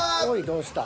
どうした？